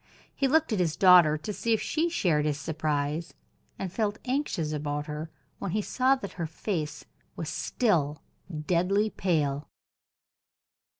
He looked at his daughter to see if she shared his surprise, and felt anxious about her when he saw that her face was still deadly pale.